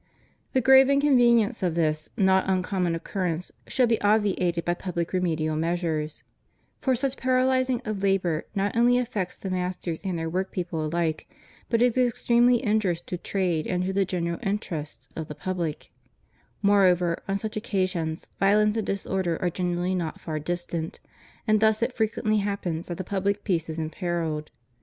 The gra e inconvenience of this not un common occurrence should be obviated by public reme dial measures; for such paralyzing of labor not only affects the masters and their work people alike, but is extremely injurious to trade and to the general interests of the public; moreover, on such occasions, violence and disorder are generally not far distant, and thus it fre quently happens that the pubhc peace is imperilled.